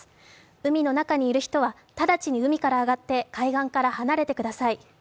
海の中にいる人は直ちに海から上がって海岸から離れてください。